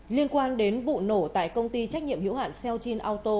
liên quan đến vụ nổ tại công ty trách nhiệm hiệu hạn seojin auto